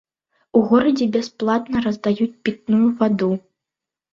У горадзе бясплатна раздаюць пітную ваду.